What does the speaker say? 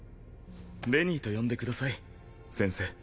レニーと呼んでください先生。